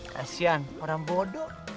kasian orang bodoh